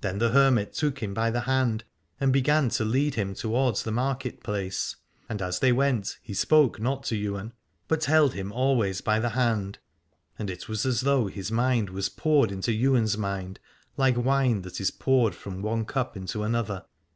Then the hermit took him by the hand and began to lead Q 241 Aladore him towards the market place : and as they went he spoke not to Ywain, but held him always by the hand, and it was as though his mind was poured into Ywain's mind like wine that is poured from one cup into another.